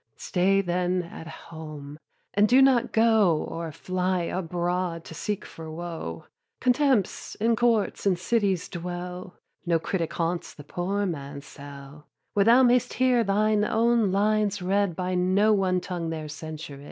Stay then at home, and do not go Or fly abroad to seek for woe; Contempts in courts and cities dwell No critic haunts the poor man's cell, Where thou mayst hear thine own lines read By no one tongue there censured.